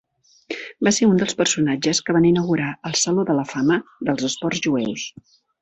Va ser un dels personatges que van inaugurar el Saló de la Fama dels Esports Jueus.